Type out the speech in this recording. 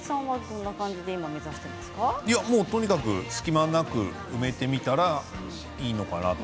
僕はとにかく隙間なく植えてみたらいいのかなって。